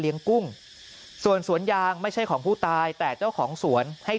กุ้งส่วนสวนยางไม่ใช่ของผู้ตายแต่เจ้าของสวนให้